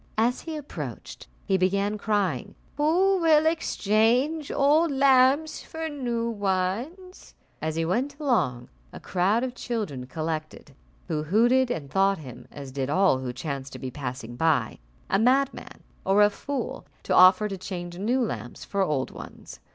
As he approached, he began crying, "Who will exchange old lamps for new ones?" As he went along, a crowd of children collected, who hooted, and thought him, as did all who chanced to be passing by, a madman or a fool, to offer to change new lamps for old ones.